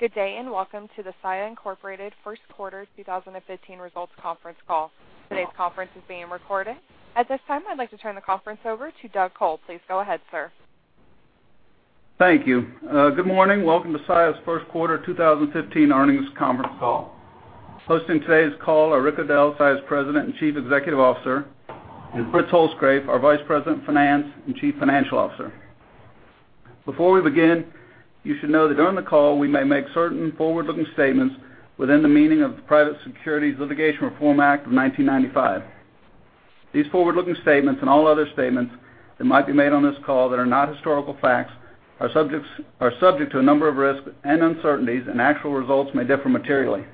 Good day, and welcome to the Saia Incorporated First Quarter 2015 Results Conference Call. Today's conference is being recorded. At this time, I'd like to turn the conference over to Doug Col. Please go ahead, sir. Thank you. Good morning. Welcome to Saia’s First Quarter 2015 Earnings Conference Call. Hosting today’s call are Rick O’Dell, Saia’s President and Chief Executive Officer, and Fritz Holzgrefe, our Vice President, Finance, and Chief Financial Officer. Before we begin, you should know that during the call, we may make certain forward-looking statements within the meaning of the Private Securities Litigation Reform Act of 1995. These forward-looking statements, and all other statements that might be made on this call that are not historical facts, are subject to a number of risks and uncertainties, and actual results may differ materially.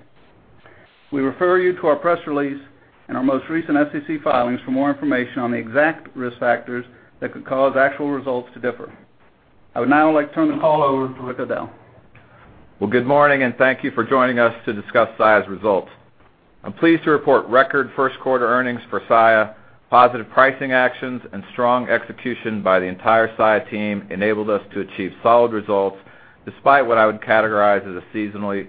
We refer you to our press release and our most recent SEC filings for more information on the exact risk factors that could cause actual results to differ. I would now like to turn the call over to Rick O’Dell. Well, good morning, and thank you for joining us to discuss Saia's results. I'm pleased to report record first quarter earnings for Saia. Positive pricing actions and strong execution by the entire Saia team enabled us to achieve solid results, despite what I would categorize as a seasonally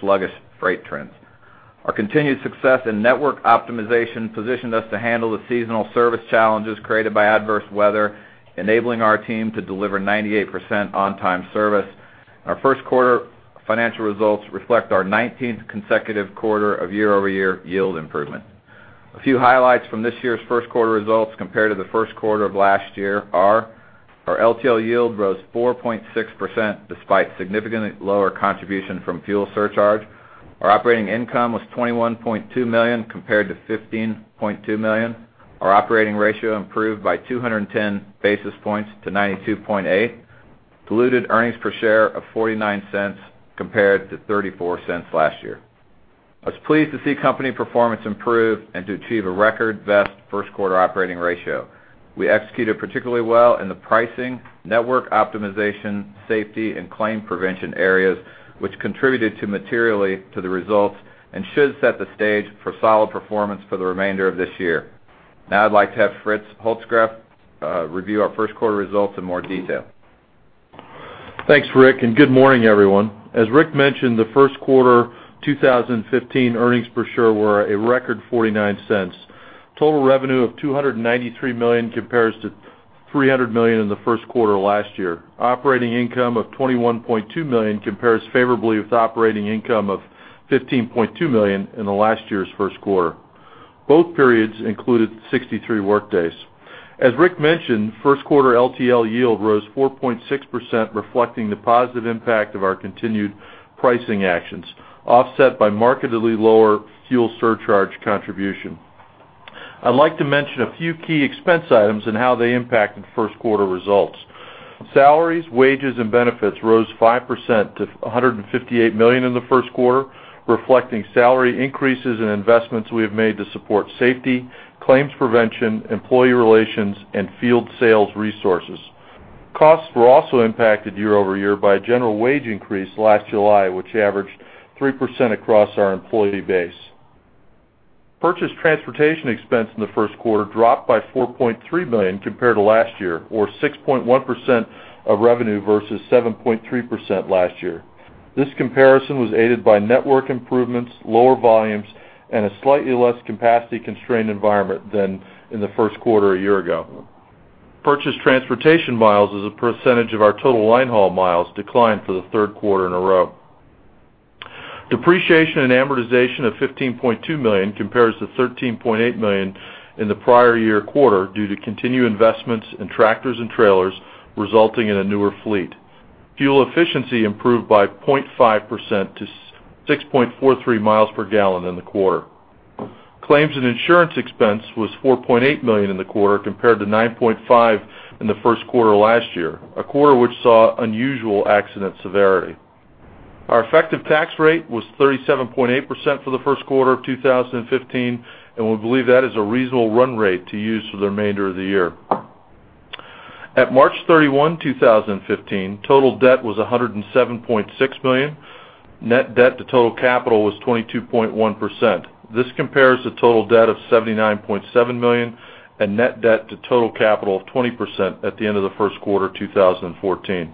sluggish freight trends. Our continued success in network optimization positioned us to handle the seasonal service challenges created by adverse weather, enabling our team to deliver 98% on-time service. Our first quarter financial results reflect our 19th consecutive quarter of year-over-year yield improvement. A few highlights from this year's first quarter results compared to the first quarter of last year are: Our LTL yield rose 4.6%, despite significantly lower contribution from fuel surcharge. Our operating income was $21.2 million, compared to $15.2 million. Our operating ratio improved by 210 basis points to 92.8. Diluted earnings per share of $0.49, compared to $0.34 last year. I was pleased to see company performance improve and to achieve a record best first quarter operating ratio. We executed particularly well in the pricing, network optimization, safety, and claim prevention areas, which contributed to materially to the results and should set the stage for solid performance for the remainder of this year. Now I'd like to have Fritz Holzgrefe review our first quarter results in more detail. Thanks, Rick, and good morning, everyone. As Rick mentioned, the first quarter 2015 earnings per share were a record $0.49. Total revenue of $293 million compares to $300 million in the first quarter last year. Operating income of $21.2 million compares favorably with operating income of $15.2 million in last year's first quarter. Both periods included 63 workdays. As Rick mentioned, first quarter LTL yield rose 4.6%, reflecting the positive impact of our continued pricing actions, offset by markedly lower fuel surcharge contribution. I'd like to mention a few key expense items and how they impacted first quarter results. Salaries, wages, and benefits rose 5% to $158 million in the first quarter, reflecting salary increases and investments we have made to support safety, claims prevention, employee relations, and field sales resources. Costs were also impacted year-over-year by a general wage increase last July, which averaged 3% across our employee base. Purchased Transportation expense in the first quarter dropped by $4.3 million compared to last year, or 6.1% of revenue versus 7.3% last year. This comparison was aided by network improvements, lower volumes, and a slightly less capacity-constrained environment than in the first quarter a year ago. Purchased Transportation miles as a percentage of our total line haul miles declined for the third quarter in a row. Depreciation and amortization of $15.2 million compares to $13.8 million in the prior year quarter due to continued investments in tractors and trailers, resulting in a newer fleet. Fuel efficiency improved by 0.5% to 6.43 miles per gallon in the quarter. Claims and insurance expense was $4.8 million in the quarter, compared to $9.5 million in the first quarter last year, a quarter which saw unusual accident severity. Our effective tax rate was 37.8% for the first quarter of 2015, and we believe that is a reasonable run rate to use for the remainder of the year. At March 31, 2015, total debt was $107.6 million. Net debt to total capital was 22.1%. This compares to total debt of $79.7 million and net debt to total capital of 20% at the end of the first quarter of 2014.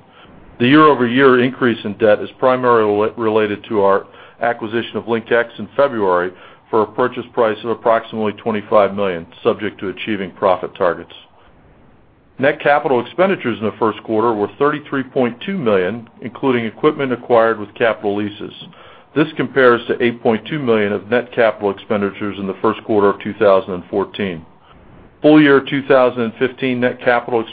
The year-over-year increase in debt is primarily related to our acquisition of LinkEx in February for a purchase price of approximately $25 million, subject to achieving profit targets. Net capital expenditures in the first quarter were $33.2 million, including equipment acquired with capital leases. This compares to $8.2 million of net capital expenditures in the first quarter of 2014. Full year 2015 net capital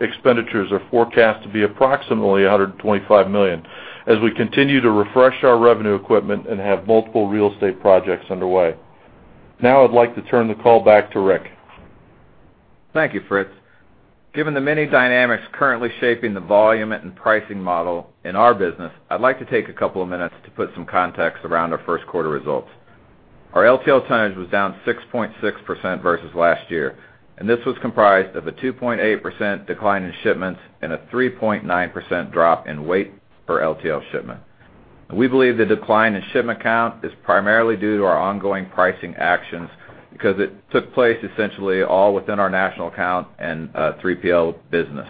expenditures are forecast to be approximately $125 million, as we continue to refresh our revenue equipment and have multiple real estate projects underway. Now I'd like to turn the call back to Rick. Thank you, Fritz. Given the many dynamics currently shaping the volume and pricing model in our business, I'd like to take a couple of minutes to put some context around our first quarter results. Our LTL tonnage was down 6.6% versus last year, and this was comprised of a 2.8% decline in shipments and a 3.9% drop in weight per LTL shipment. We believe the decline in shipment count is primarily due to our ongoing pricing actions because it took place essentially all within our national account and 3PL business.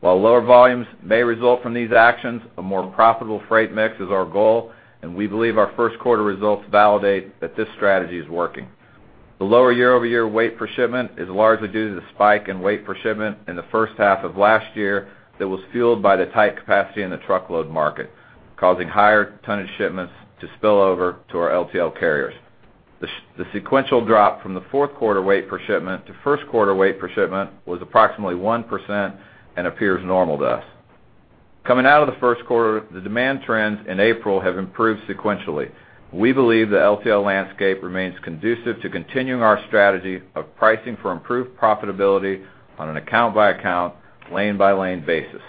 While lower volumes may result from these actions, a more profitable freight mix is our goal, and we believe our first quarter results validate that this strategy is working. The lower year-over-year weight per shipment is largely due to the spike in weight per shipment in the first half of last year, that was fueled by the tight capacity in the truckload market, causing higher tonnage shipments to spill over to our LTL carriers. The sequential drop from the fourth quarter weight per shipment to first quarter weight per shipment was approximately 1% and appears normal to us. Coming out of the first quarter, the demand trends in April have improved sequentially. We believe the LTL landscape remains conducive to continuing our strategy of pricing for improved profitability on an account by account, lane by lane basis.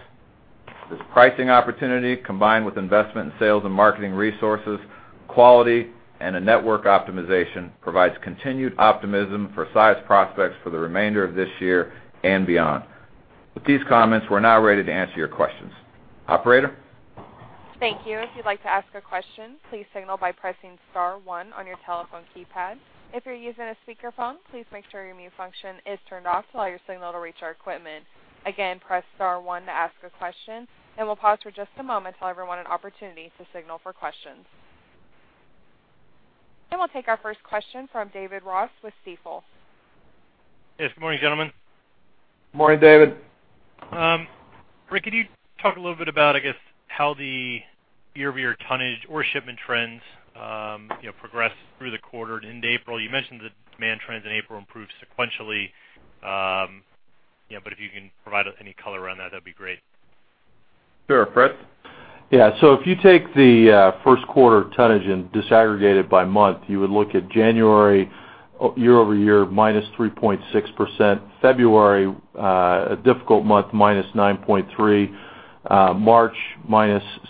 This pricing opportunity, combined with investment in sales and marketing resources, quality, and a network optimization, provides continued optimism for Saia's prospects for the remainder of this year and beyond. With these comments, we're now ready to answer your questions. Operator? Thank you. If you'd like to ask a question, please signal by pressing star one on your telephone keypad. If you're using a speakerphone, please make sure your mute function is turned off to allow your signal to reach our equipment. Again, press star one to ask a question, and we'll pause for just a moment to allow everyone an opportunity to signal for questions. And we'll take our first question from David Ross with Stifel. Yes, good morning, gentlemen. Morning, David. Rick, could you talk a little bit about, I guess, how the year-over-year tonnage or shipment trends, you know, progressed through the quarter into April? You mentioned the demand trends in April improved sequentially, yeah, but if you can provide any color around that, that'd be great. Sure. Fritz? Yeah, so if you take the first quarter tonnage and disaggregate it by month, you would look at January, year-over-year, -3.6%. February, a difficult month, -9.3%. March,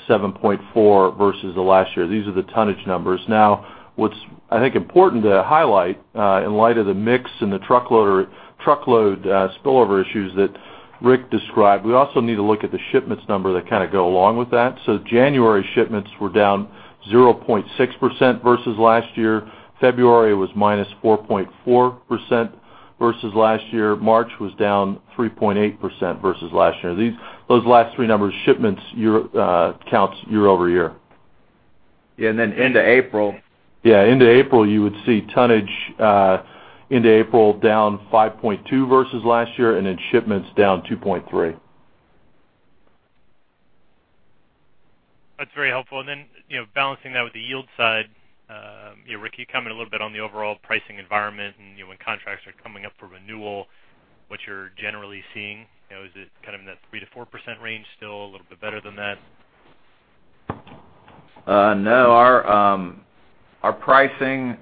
-7.4% versus the last year. These are the tonnage numbers. Now, what's, I think, important to highlight, in light of the mix and the truckload spillover issues that Rick described, we also need to look at the shipments number that kind of go along with that. So January shipments were down -0.6% versus last year. February was -4.4% versus last year. March was down -3.8% versus last year. Those last three numbers, shipments, year counts, year-over-year. Yeah, and then into April. Yeah, into April, you would see tonnage into April down 5.2 versus last year, and then shipments down 2.3. That's very helpful. And then, you know, balancing that with the yield side, yeah, Rick, can you comment a little bit on the overall pricing environment and, you know, when contracts are coming up for renewal, what you're generally seeing? You know, is it kind of in that 3%-4% range still, a little bit better than that? No. Our pricing,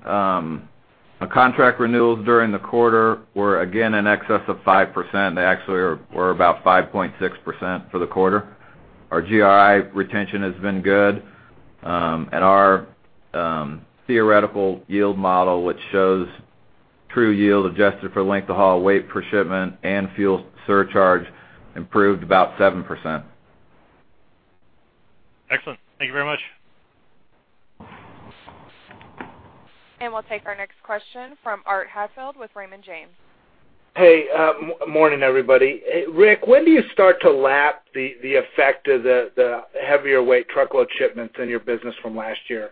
our contract renewals during the quarter were again, in excess of 5%. They actually are- were about 5.6% for the quarter. Our GRI retention has been good, and our theoretical yield model, which shows true yield adjusted for length of haul, weight per shipment, and fuel surcharge, improved about 7%. Excellent. Thank you very much. We'll take our next question from Art Hatfield with Raymond James. Hey, morning, everybody. Rick, when do you start to lap the effect of the heavier weight truckload shipments in your business from last year?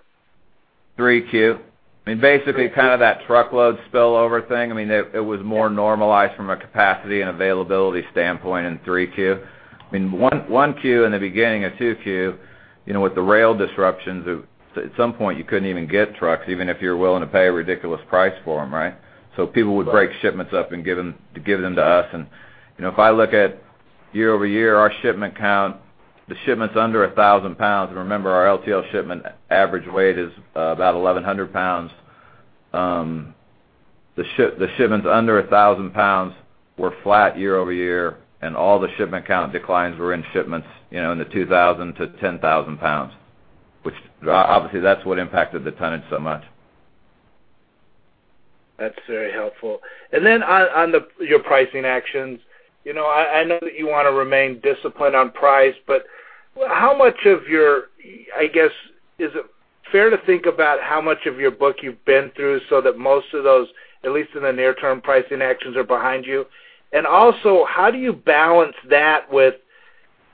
3Q. I mean, basically kind of that truckload spillover thing. I mean, it was more normalized from a capacity and availability standpoint in 3Q. I mean, 1Q in the beginning of 2Q, you know, with the rail disruptions, at some point, you couldn't even get trucks, even if you're willing to pay a ridiculous price for them, right? So people would break shipments up and give them to us. And, you know, if I look at year-over-year, our shipment count, the shipments under 1,000 pounds, and remember, our LTL shipment average weight is about 1,100 pounds. The shipments under 1,000 pounds were flat year-over-year, and all the shipment count declines were in shipments, you know, in the 2,000-10,000 pounds, which, obviously, that's what impacted the tonnage so much. That's very helpful. And then on the, your pricing actions, you know, I, I know that you want to remain disciplined on price, but how much of your... I guess, is it fair to think about how much of your book you've been through so that most of those, at least in the near-term pricing actions, are behind you? And also, how do you balance that with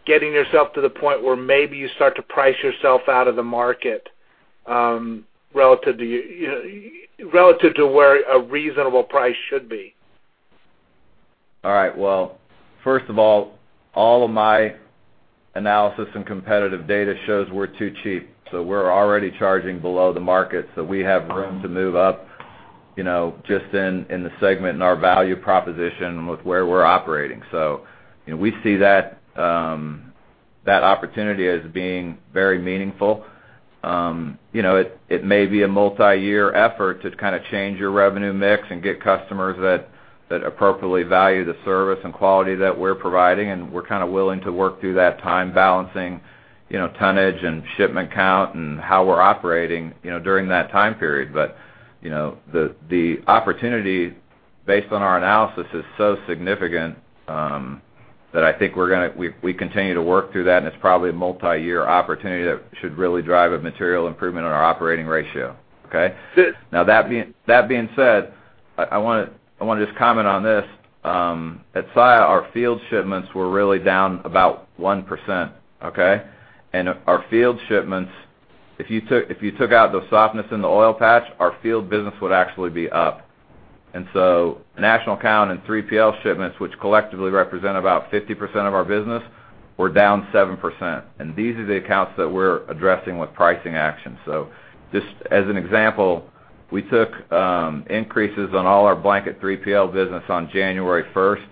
getting yourself to the point where maybe you start to price yourself out of the market, relative to you know, relative to where a reasonable price should be? All right. Well, first of all, all of my analysis and competitive data shows we're too cheap, so we're already charging below the market, so we have room to move up, you know, just in the segment and our value proposition with where we're operating. So, you know, we see that opportunity as being very meaningful. You know, it may be a multi-year effort to kind of change your revenue mix and get customers that appropriately value the service and quality that we're providing, and we're kind of willing to work through that time balancing, you know, tonnage and shipment count and how we're operating, you know, during that time period. But, you know, the opportunity based on our analysis is so significant. that I think we're gonna continue to work through that, and it's probably a multi-year opportunity that should really drive a material improvement in our operating ratio, okay? Now, that being said, I wanna just comment on this. At Saia, our field shipments were really down about 1%, okay? And our field shipments, if you took out the softness in the oil patch, our field business would actually be up. And so National Account and 3PL shipments, which collectively represent about 50% of our business, were down 7%, and these are the accounts that we're addressing with pricing actions. So just as an example, we took increases on all our blanket 3PL business on January 1st,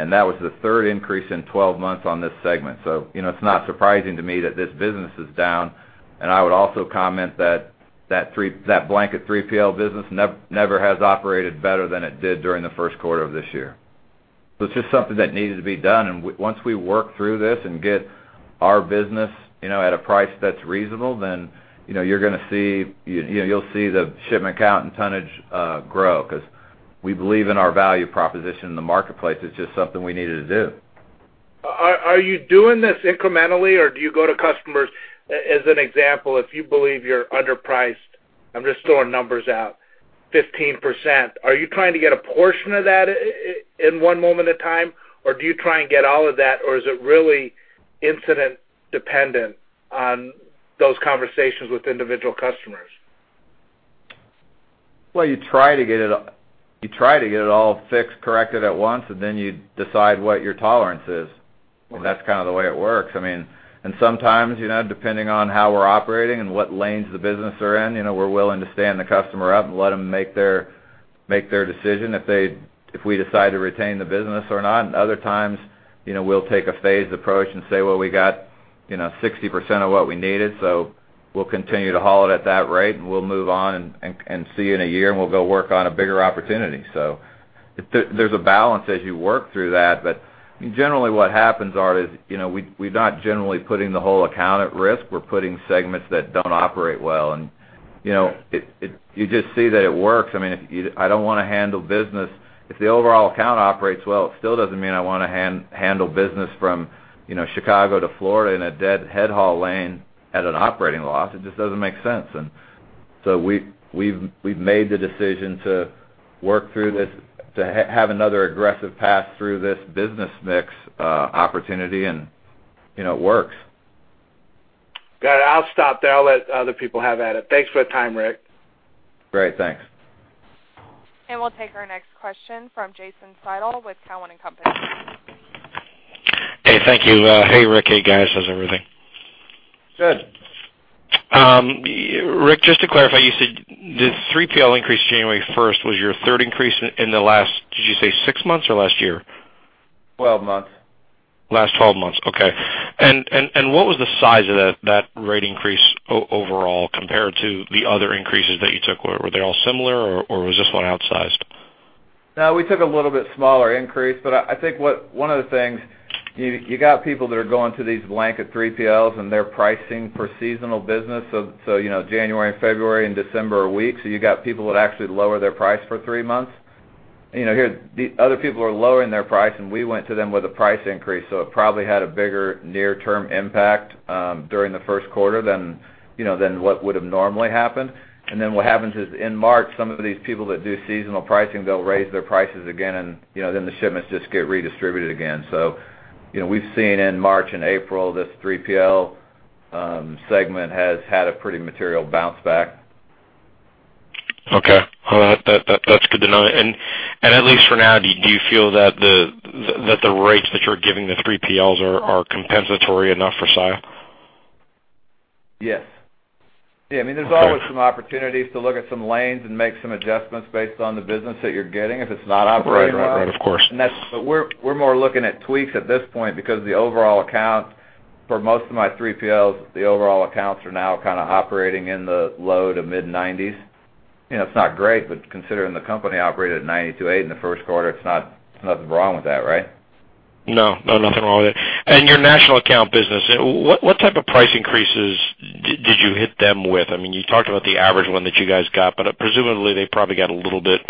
and that was the third increase in 12 months on this segment. So, you know, it's not surprising to me that this business is down. And I would also comment that that blanket 3PL business never has operated better than it did during the first quarter of this year. So it's just something that needed to be done, and once we work through this and get our business, you know, at a price that's reasonable, then, you know, you're gonna see, you know, you'll see the shipment count and tonnage grow, 'cause we believe in our value proposition in the marketplace. It's just something we needed to do. Are you doing this incrementally, or do you go to customers, as an example, if you believe you're underpriced? I'm just throwing numbers out, 15%. Are you trying to get a portion of that in one moment in time, or do you try and get all of that, or is it really incident dependent on those conversations with individual customers? Well, you try to get it, you try to get it all fixed, corrected at once, and then you decide what your tolerance is. Okay. That's kind of the way it works. I mean, and sometimes, you know, depending on how we're operating and what lanes the business are in, you know, we're willing to stand the customer up and let them make their, make their decision if they, if we decide to retain the business or not. And other times, you know, we'll take a phased approach and say, well, we got, you know, 60% of what we needed, so we'll continue to haul it at that rate, and we'll move on and, and see you in a year, and we'll go work on a bigger opportunity. So there, there's a balance as you work through that. But generally, what happens, Art, is, you know, we're, we're not generally putting the whole account at risk. We're putting segments that don't operate well. And, you know, it, it... You just see that it works. I mean, if you don't want to handle business. If the overall account operates well, it still doesn't mean I wanna handle business from, you know, Chicago to Florida in a deadhead haul lane at an operating loss. It just doesn't make sense. So we've made the decision to work through this, to have another aggressive pass through this business mix opportunity, and, you know, it works. Got it. I'll stop there. I'll let other people have at it. Thanks for the time, Rick. Great. Thanks. We'll take our next question from Jason Seidel with Cowen and Company. Hey, thank you. Hey, Rick. Hey, guys, how's everything? Good. Rick, just to clarify, you said the 3PL increase January 1st was your third increase in the last, did you say six months or last year? Twelve months. Last 12 months, okay. And what was the size of that rate increase overall compared to the other increases that you took? Were they all similar, or was this one outsized? No, we took a little bit smaller increase, but I, I think what one of the things, you, you got people that are going to these blanket 3PLs, and they're pricing for seasonal business. So, so, you know, January, February and December are weak, so you got people that actually lower their price for three months. You know, here, the other people are lowering their price, and we went to them with a price increase, so it probably had a bigger near-term impact during the first quarter than, you know, than what would have normally happened. And then what happens is, in March, some of these people that do seasonal pricing, they'll raise their prices again, and, you know, then the shipments just get redistributed again. So, you know, we've seen in March and April, this 3PL segment has had a pretty material bounce back. Okay. Well, that's good to know. And at least for now, do you feel that the rates that you're giving the 3PLs are compensatory enough for Saia? Yes. Yeah, I mean- Okay. There's always some opportunities to look at some lanes and make some adjustments based on the business that you're getting, if it's not operating right. Right. Right. Of course. And that's but we're more looking at tweaks at this point because the overall account for most of my 3PLs, the overall accounts are now kind of operating in the low to mid-nineties. You know, it's not great, but considering the company operated at 92.8 in the first quarter, it's not nothing wrong with that, right? No, no, nothing wrong with it. And your national account business, what, what type of price increases did, did you hit them with? I mean, you talked about the average one that you guys got, but presumably, they probably got a little bit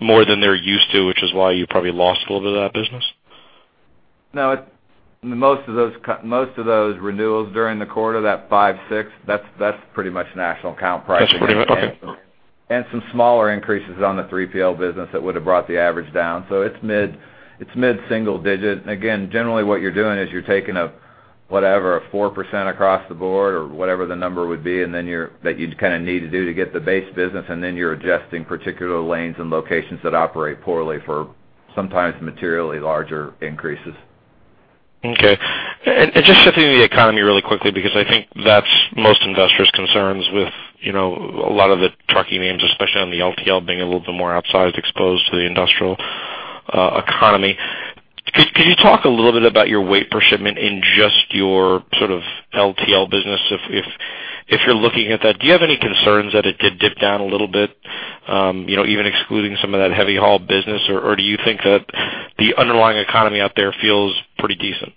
more than they're used to, which is why you probably lost a little bit of that business. No, most of those renewals during the quarter, that five, six, that's, that's pretty much national account pricing. That's pretty much... Okay. Some smaller increases on the 3PL business that would have brought the average down. So it's mid, it's mid-single digit. Again, generally, what you're doing is you're taking a, whatever, a 4% across the board or whatever the number would be, and then you're, that you kind of need to do to get the base business, and then you're adjusting particular lanes and locations that operate poorly for sometimes materially larger increases. Okay. Just shifting to the economy really quickly, because I think that's most investors' concerns with, you know, a lot of the trucking names, especially on the LTL, being a little bit more outsized, exposed to the industrial economy. Could you talk a little bit about your weight per shipment in just your sort of LTL business, if you're looking at that? Do you have any concerns that it did dip down a little bit, you know, even excluding some of that heavy haul business, or do you think that the underlying economy out there feels pretty decent?...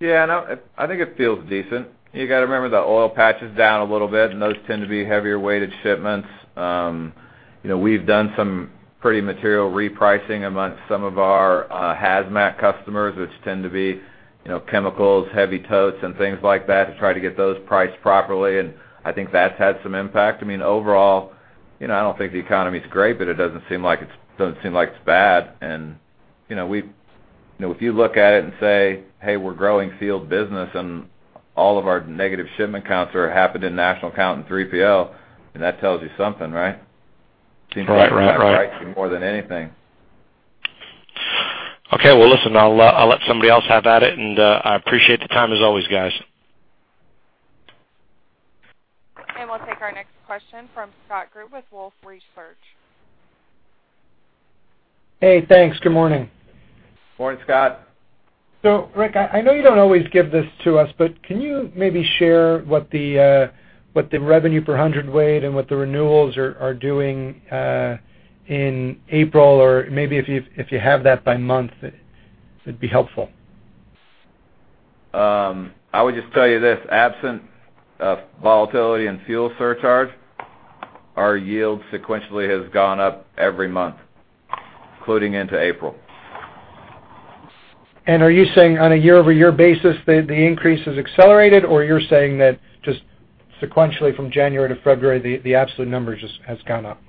Yeah, no, I think it feels decent. You got to remember, the oil patch is down a little bit, and those tend to be heavier weighted shipments. You know, we've done some pretty material repricing amongst some of our hazmat customers, which tend to be, you know, chemicals, heavy totes, and things like that, to try to get those priced properly, and I think that's had some impact. I mean, overall, you know, I don't think the economy is great, but it doesn't seem like it's- doesn't seem like it's bad. And, you know, we-- if you look at it and say, hey, we're growing field business and all of our negative shipment counts are happened in national account and 3PL, and that tells you something, right? Right, right, right. More than anything. Okay, well, listen, I'll, I'll let somebody else have at it, and I appreciate the time, as always, guys. And we'll take our next question from Scott Group with Wolfe Research. Hey, thanks. Good morning. Morning, Scott. Rick, I know you don't always give this to us, but can you maybe share what the revenue per hundred weight and what the renewals are doing in April, or maybe if you have that by month, it'd be helpful. I would just tell you this, absent of volatility and fuel surcharge, our yield sequentially has gone up every month, including into April. Are you saying on a year-over-year basis, the increase has accelerated, or you're saying that just sequentially from January to February, the absolute number just has gone up?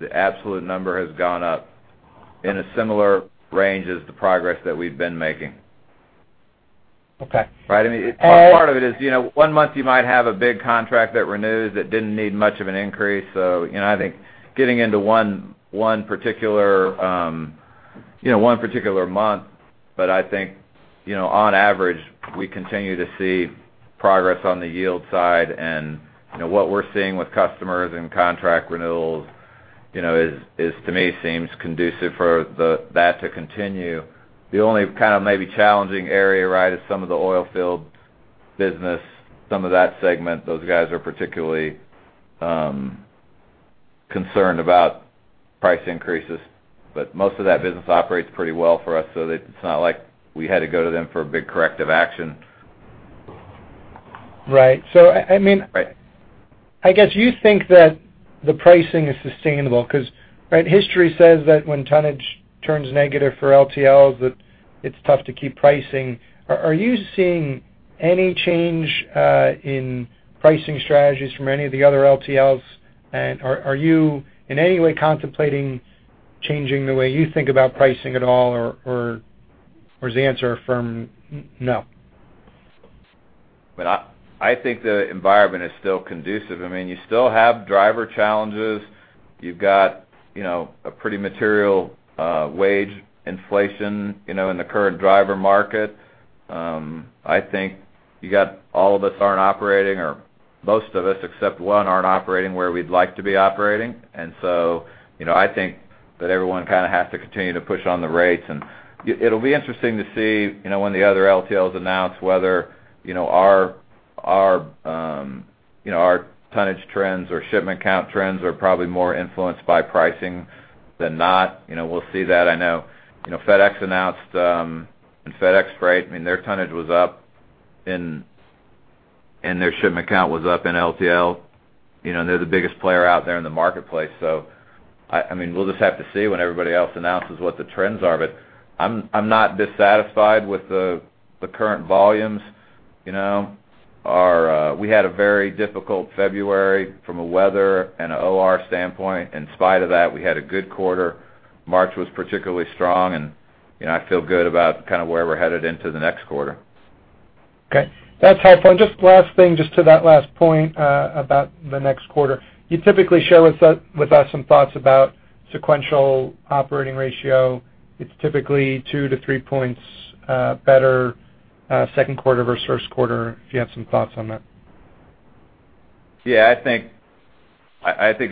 The absolute number has gone up in a similar range as the progress that we've been making. Okay. Right. I mean, part of it is, you know, one month you might have a big contract that renews, that didn't need much of an increase. So, you know, I think getting into one, one particular, you know, one particular month, but I think, you know, on average, we continue to see progress on the yield side. And, you know, what we're seeing with customers and contract renewals, you know, is, is to me, seems conducive for the that to continue. The only kind of maybe challenging area, right, is some of the oil field business, some of that segment. Those guys are particularly, concerned about price increases, but most of that business operates pretty well for us, so it's not like we had to go to them for a big corrective action. Right. So I mean- Right. I guess you think that the pricing is sustainable, because, right, history says that when tonnage turns negative for LTLs, that it's tough to keep pricing. Are you seeing any change in pricing strategies from any of the other LTLs? And are you in any way contemplating changing the way you think about pricing at all, or is the answer a firm no? I mean, I think the environment is still conducive. I mean, you still have driver challenges. You've got, you know, a pretty material wage inflation, you know, in the current driver market. I think you got all of us aren't operating, or most of us, except one, aren't operating where we'd like to be operating. And so, you know, I think that everyone kind of has to continue to push on the rates. And it'll be interesting to see, you know, when the other LTLs announce whether, you know, our, you know, our tonnage trends or shipment count trends are probably more influenced by pricing than not. You know, we'll see that. I know, you know, FedEx announced, and FedEx Freight, I mean, their tonnage was up, and their shipment count was up in LTL. You know, they're the biggest player out there in the marketplace. So, I mean, we'll just have to see when everybody else announces what the trends are, but I'm not dissatisfied with the current volumes. You know, our we had a very difficult February from a weather and an OR standpoint. In spite of that, we had a good quarter. March was particularly strong, and, you know, I feel good about kind of where we're headed into the next quarter. Okay, that's helpful. And just last thing, just to that last point, about the next quarter. You typically share with us, with us some thoughts about sequential operating ratio. It's typically 2% - 3% points better, second quarter versus first quarter, if you had some thoughts on that. Yeah, I think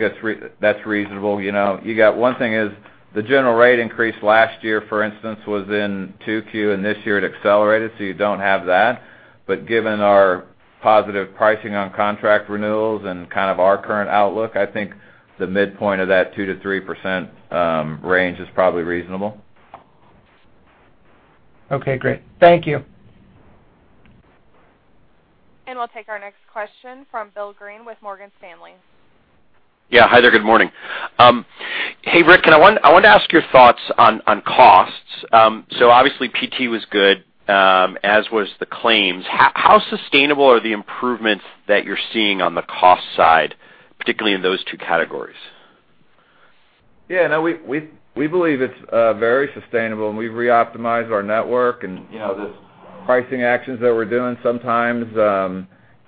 that's reasonable. You know, you got one thing is, the general rate increase last year, for instance, was in 2Q, and this year it accelerated, so you don't have that. But given our positive pricing on contract renewals and kind of our current outlook, I think the midpoint of that 2%-3% range is probably reasonable. Okay, great. Thank you. We'll take our next question from Bill Greene with Morgan Stanley. Yeah. Hi there, good morning. Hey, Rick, I want to ask your thoughts on costs. So obviously, Q2 was good, as was the claims. How sustainable are the improvements that you're seeing on the cost side, particularly in those two categories? Yeah, no, we believe it's very sustainable, and we've reoptimized our network. And, you know, the pricing actions that we're doing sometimes,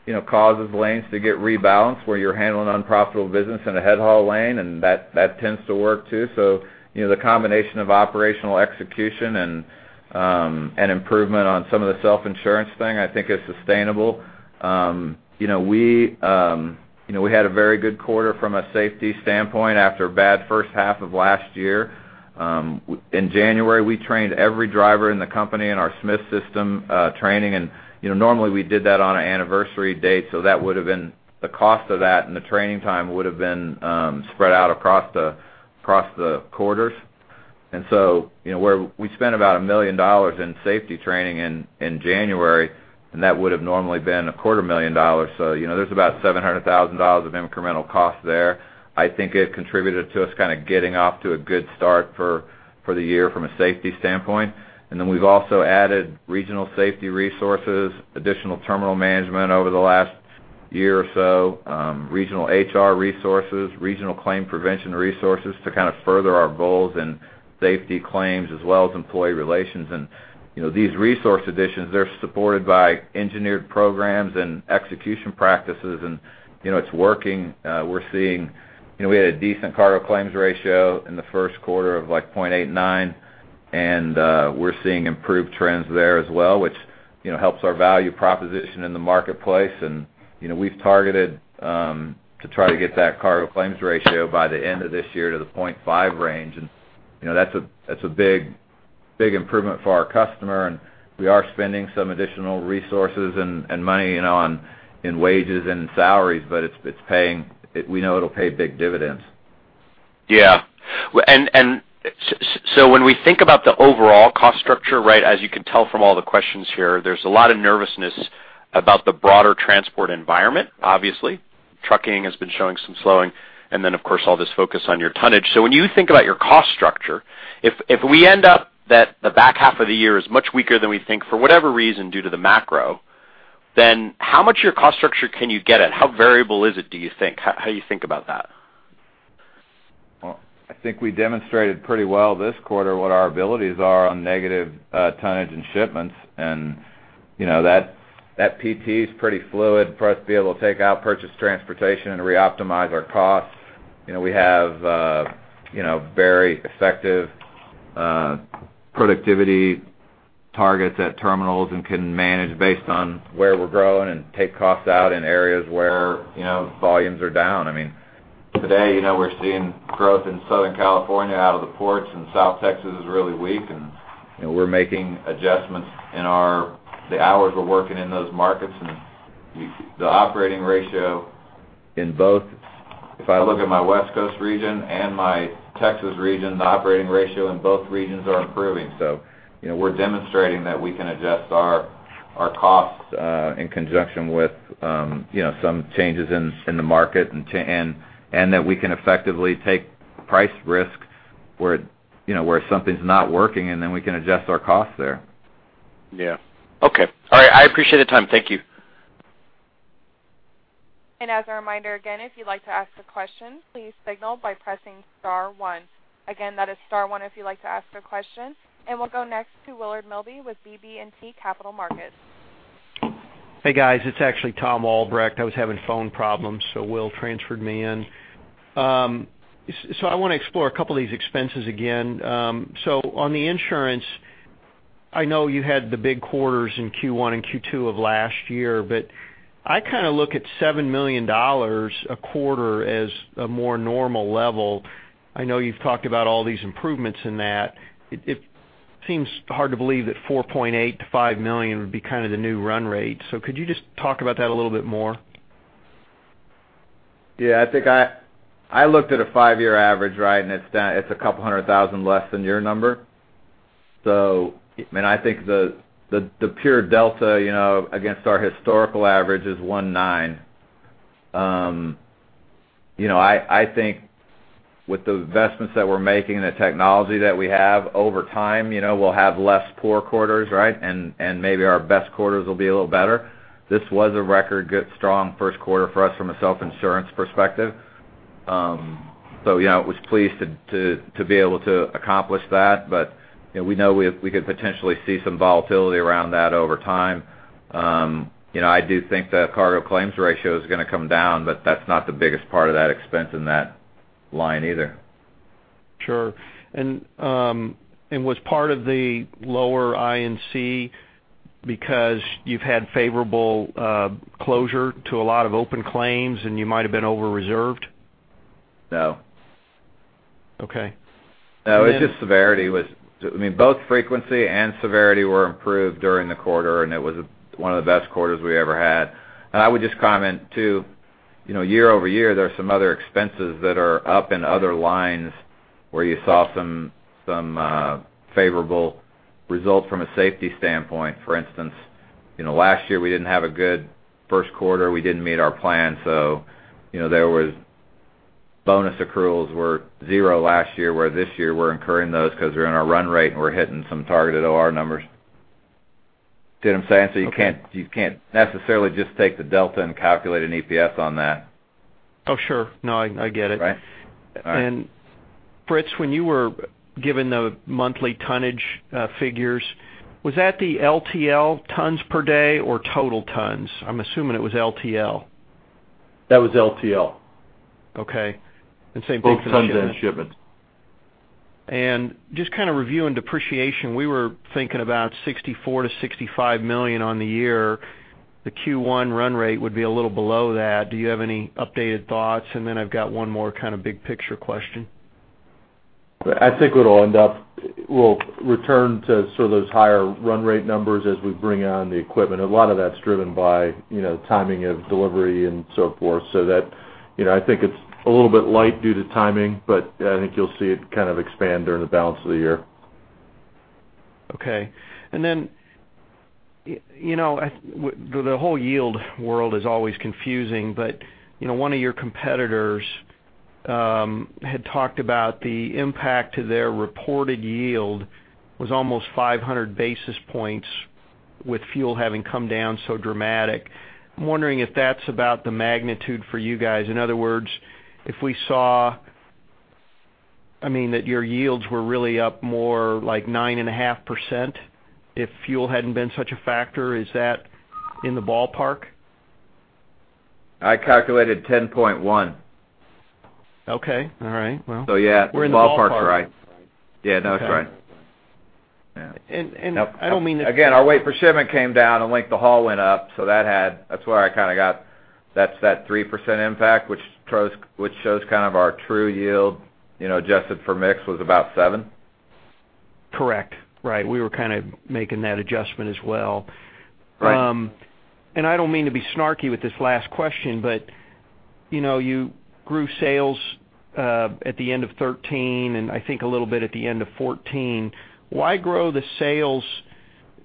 you know, causes lanes to get rebalanced where you're handling unprofitable business in a deadhead haul lane, and that tends to work, too. So, you know, the combination of operational execution and improvement on some of the self-insurance thing, I think is sustainable. You know, we had a very good quarter from a safety standpoint after a bad first half of last year. In January, we trained every driver in the company in our Smith System training. You know, normally we did that on an anniversary date, so that would have been the cost of that, and the training time would have been spread out across the quarters. So, you know, we spent about $1 million in safety training in January, and that would have normally been $250,000. So, you know, there's about $700,000 of incremental cost there. I think it contributed to us kind of getting off to a good start for the year from a safety standpoint. And then we've also added regional safety resources, additional terminal management over the last year or so, regional HR resources, regional claim prevention resources to kind of further our goals in safety claims as well as employee relations. You know, these resource additions, they're supported by engineered programs and execution practices, and, you know, it's working. We're seeing, you know, we had a decent cargo claims ratio in the first quarter of, like, 0.89, and, we're seeing improved trends there as well, which, you know, helps our value proposition in the marketplace. You know, we've targeted to try to get that cargo claims ratio by the end of this year to the 0.5 range. You know, that's a, that's a big, big improvement for our customer, and we are spending some additional resources and, and money, you know, on, in wages and salaries, but it's, it's paying. We know it'll pay big dividends. Yeah. Well, and so when we think about the overall cost structure, right, as you can tell from all the questions here, there's a lot of nervousness about the broader transport environment. Obviously, trucking has been showing some slowing, and then, of course, all this focus on your tonnage. So when you think about your cost structure, if we end up that the back half of the year is much weaker than we think, for whatever reason, due to the macro, then how much of your cost structure can you get at? How variable is it, do you think? How do you think about that? Well, I think we demonstrated pretty well this quarter what our abilities are on negative tonnage and shipments, and, you know, that, that PT is pretty fluid for us to be able to take out purchase transportation and reoptimize our costs. You know, we have, you know, very effective productivity targets at terminals and can manage based on where we're growing and take costs out in areas where, you know, volumes are down. I mean, today, you know, we're seeing growth in Southern California out of the ports, and South Texas is really weak, and, you know, we're making adjustments in our... the hours we're working in those markets, and we- the operating ratio in both. If I look at my West Coast region and my Texas region, the operating ratio in both regions are improving. So, you know, we're demonstrating that we can adjust our costs in conjunction with, you know, some changes in the market, and that we can effectively take price risk where, you know, where something's not working, and then we can adjust our costs there. Yeah. Okay. All right. I appreciate the time. Thank you. As a reminder, again, if you'd like to ask a question, please signal by pressing star one. Again, that is star one if you'd like to ask a question. We'll go next to Willard Milby with BB&T Capital Markets. Hey, guys, it's actually Tom Albrecht. I was having phone problems, so Will transferred me in. So I want to explore a couple of these expenses again. So on the insurance, I know you had the big quarters in Q1 and Q2 of last year, but I kind of look at $7 million a quarter as a more normal level. I know you've talked about all these improvements in that. It seems hard to believe that $4.8 million-$5 million would be kind of the new run rate. So could you just talk about that a little bit more? Yeah, I think I looked at a five-year average, right? And it's down, it's 200,000 less than your number. So, I mean, I think the pure delta, you know, against our historical average is 19. You know, I think with the investments that we're making and the technology that we have, over time, you know, we'll have less poor quarters, right? And maybe our best quarters will be a little better. This was a record good, strong first quarter for us from a self-insurance perspective. So, you know, it was pleased to be able to accomplish that. But, you know, we know we could potentially see some volatility around that over time. You know, I do think that cargo claims ratio is going to come down, but that's not the biggest part of that expense in that line either. Sure. And was part of the lower I&C because you've had favorable closure to a lot of open claims, and you might have been over-reserved? No. Okay. No, it's just severity was—I mean, both frequency and severity were improved during the quarter, and it was one of the best quarters we ever had. I would just comment, too, you know, year-over-year, there are some other expenses that are up in other lines where you saw some favorable results from a safety standpoint. For instance, you know, last year, we didn't have a good first quarter. We didn't meet our plan, so, you know, there was bonus accruals were zero last year, where this year, we're incurring those because we're in our run rate, and we're hitting some targeted OR numbers. See what I'm saying? Okay. So you can't, you can't necessarily just take the delta and calculate an EPS on that. Oh, sure. No, I get it. Right. All right. Fritz, when you were given the monthly tonnage figures, was that the LTL tons per day or total tons? I'm assuming it was LTL. That was LTL. Okay, and same thing- Both tons and shipments. Just kind of reviewing depreciation, we were thinking about $64 million-$65 million on the year. The Q1 run rate would be a little below that. Do you have any updated thoughts? And then I've got one more kind of big picture question. I think it'll end up we'll return to sort of those higher run rate numbers as we bring on the equipment. A lot of that's driven by, you know, timing of delivery and so forth. So that, you know, I think it's a little bit light due to timing, but I think you'll see it kind of expand during the balance of the year. Okay. And then, you know, the whole yield world is always confusing, but, you know, one of your competitors had talked about the impact to their reported yield was almost 500 basis points with fuel having come down so dramatic. I'm wondering if that's about the magnitude for you guys. In other words, if we saw, I mean, that your yields were really up more like 9.5%, if fuel hadn't been such a factor, is that in the ballpark? I calculated 10.1. Okay. All right. Well- So, yeah. We're in the ballpark. The ballpark's right. Yeah, no, that's right. Okay. Yeah. And I don't mean to- Again, our weight per shipment came down, and length of haul went up, so that had... That's where I kind of got, that's that 3% impact, which shows, which shows kind of our true yield, you know, adjusted for mix, was about 7%. Correct. Right. We were kind of making that adjustment as well. Right. And I don't mean to be snarky with this last question, but, you know, you grew sales at the end of 2013, and I think a little bit at the end of 2014. Why grow the sales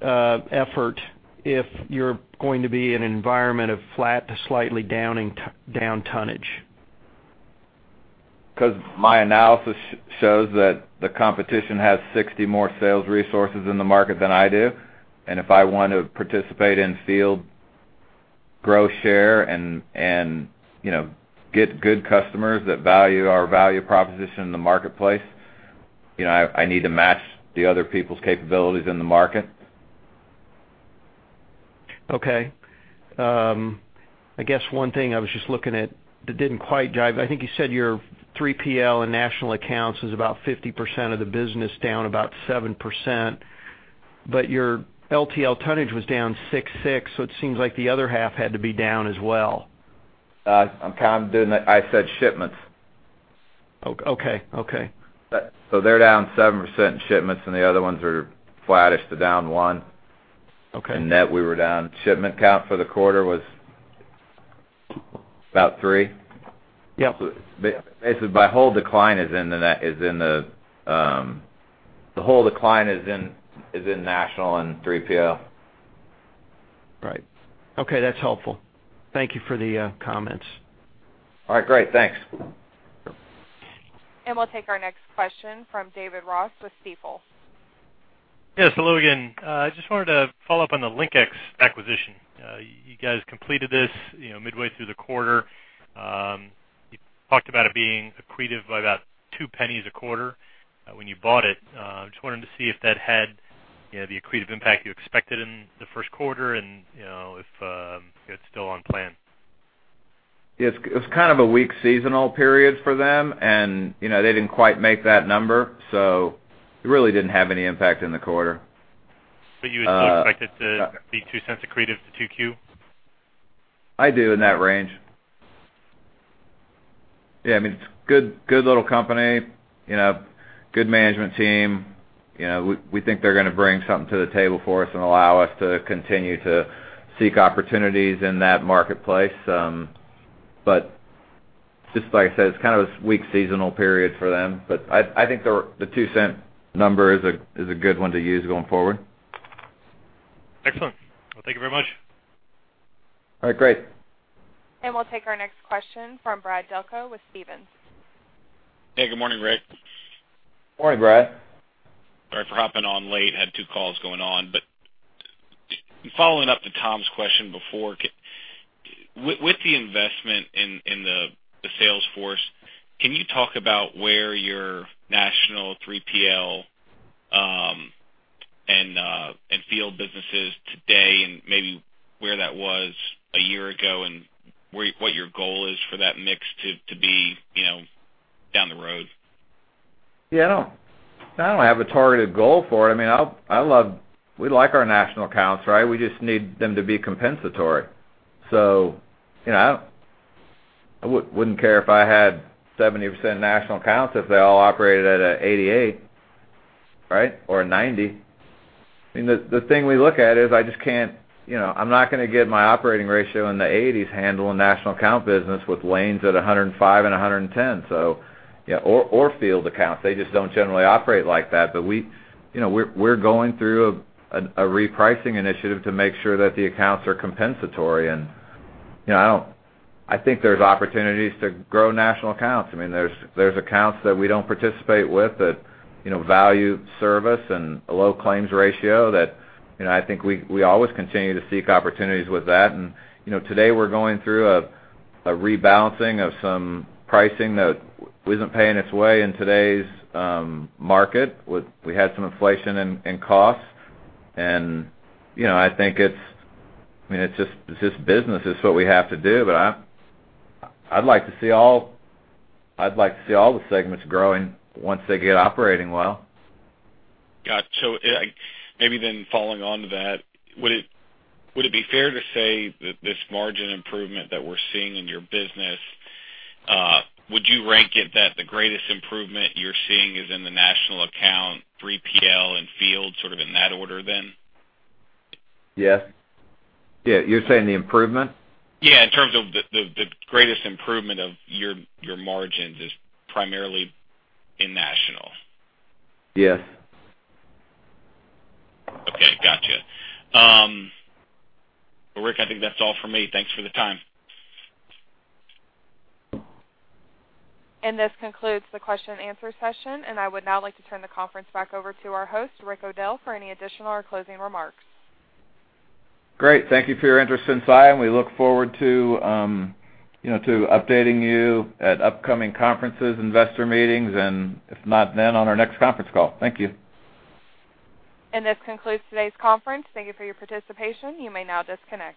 effort if you're going to be in an environment of flat to slightly down tonnage? Because my analysis shows that the competition has 60 more sales resources in the market than I do. And if I want to participate in field growth share and, you know, get good customers that value our value proposition in the marketplace, you know, I need to match the other people's capabilities in the market. Okay. I guess one thing I was just looking at that didn't quite jive. I think you said your 3PL and national accounts was about 50% of the business, down about 7%, but your LTL tonnage was down 6.6%, so it seems like the other half had to be down as well. I'm counting. I said shipments. Okay. Okay. So they're down 7% in shipments, and the other ones are flattish to down 1%. Okay. Net, we were down, shipment count for the quarter was about three. Yep. So basically, my whole decline is in national and 3PL. Right. Okay, that's helpful. Thank you for the comments. All right, great. Thanks. We'll take our next question from David Ross with Stifel. Yes, hello again. I just wanted to follow up on the LinkEx acquisition. You guys completed this, you know, midway through the quarter. You talked about it being accretive by about $0.02 a quarter, when you bought it. Just wanted to see if that had, you know, the accretive impact you expected in the first quarter, and, you know, if it's still on plan. Yes, it was kind of a weak seasonal period for them, and, you know, they didn't quite make that number, so it really didn't have any impact in the quarter. You would still expect it to be $0.02 accretive to 2Q? I do, in that range. Yeah, I mean, it's a good, good little company, you know, good management team. You know, we think they're gonna bring something to the table for us and allow us to continue to seek opportunities in that marketplace. But just like I said, it's kind of a weak seasonal period for them, but I think the 2-cent number is a good one to use going forward. Excellent. Well, thank you very much. All right, great. We'll take our next question from Brad Delco with Stephens. Hey, good morning, Rick. Morning, Brad. Sorry for hopping on late. Had two calls going on. But following up to Tom's question before, with the investment in the sales force, can you talk about where your national 3PL and field business is today, and maybe where that was a year ago, and where—what your goal is for that mix to be, you know, down the road? Yeah, I don't, I don't have a targeted goal for it. I mean, I, I love—we like our national accounts, right? We just need them to be compensatory. So, you know, I, I wouldn't care if I had 70% national accounts if they all operated at a 88% right, or a 90%. I mean, the, the thing we look at is I just can't. You know, I'm not gonna get my operating ratio in the 80s, handling national account business with lanes at a 105 and a 110. So, yeah, or, or field accounts. They just don't generally operate like that. But we, you know, we're, we're going through a, a repricing initiative to make sure that the accounts are compensatory. And, you know, I don't—I think there's opportunities to grow national accounts. I mean, there's accounts that we don't participate with, that, you know, value service and a low claims ratio that, you know, I think we always continue to seek opportunities with that. And, you know, today we're going through a rebalancing of some pricing that isn't paying its way in today's market. We had some inflation in costs and, you know, I think it's, I mean, it's just, it's just business, it's what we have to do. But I'd like to see all-- I'd like to see all the segments growing once they get operating well. Got you. So I... Maybe then following on to that, would it, would it be fair to say that this margin improvement that we're seeing in your business, would you rank it that the greatest improvement you're seeing is in the national account, 3PL, and field, sort of in that order, then? Yes. Yeah, you're saying the improvement? Yeah, in terms of the greatest improvement of your margins is primarily in national. Yes. Okay, gotcha. Rick, I think that's all for me. Thanks for the time. This concludes the question and answer session, and I would now like to turn the conference back over to our host, Rick O'Dell, for any additional or closing remarks. Great. Thank you for your interest in Saia, and we look forward to, you know, to updating you at upcoming conferences, investor meetings, and if not, then on our next conference call. Thank you. This concludes today's conference. Thank you for your participation. You may now disconnect.